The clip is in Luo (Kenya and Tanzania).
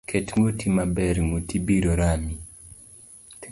Ket nguti maber ,nguti biro Rami.